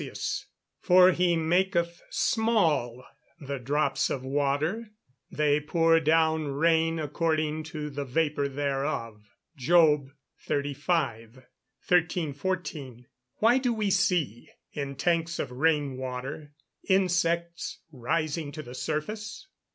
[Verse: "For he maketh small the drops of water: they pour down rain according to the vapour thereof." JOB XXXV.] 1314. _Why do we see, in tanks of rain water, insects rising to the surface?